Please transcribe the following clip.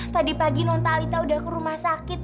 tadi pagi nontalita udah ke rumah sakit